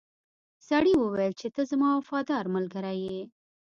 سړي وویل چې ته زما وفادار ملګری یې.